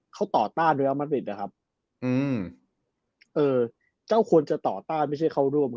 เขาต่อต้านด้วยอามัตินะครับอืมเออเจ้าควรจะต่อต้านไม่ใช่เข้าร่วม